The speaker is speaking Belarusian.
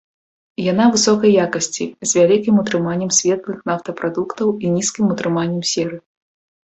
Яна высокай якасці, з вялікім утрыманнем светлых нафтапрадуктаў і нізкім утрыманнем серы.